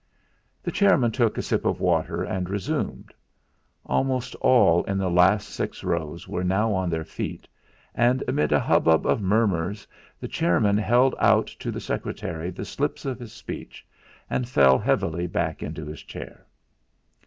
The chairman took a sip of water, and resumed. Almost all in the last six rows were now on their feet, and amid a hubbub of murmurs the chairman held out to the secretary the slips of his speech, and fell heavily back into his chair.